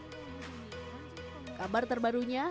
pada kabar terbarunya